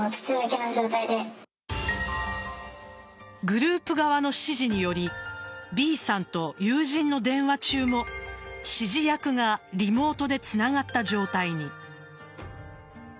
グループ側の指示によりＢさんと友人の電話中も指示役がリモートでつながった状態に。